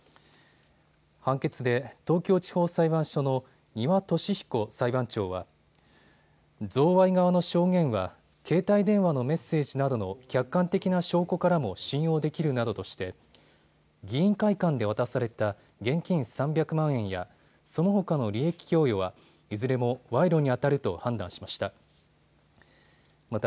判決で東京地方裁判所の丹羽敏彦裁判長は贈賄側の証言は携帯電話のメッセージなどの客観的な証拠からも信用できるなどとして議員会館で渡された現金３００万円やそのほかの利益供与はいずれも賄賂にあたると判断しました。